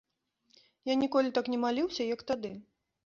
Я ніколі так не маліўся, як тады.